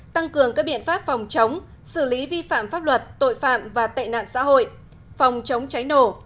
tăng cường các biện pháp phòng chống xử lý vi phạm pháp luật tội phạm và tệ nạn xã hội phòng chống cháy nổ